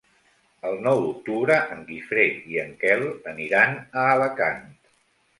El nou d'octubre en Guifré i en Quel aniran a Alacant.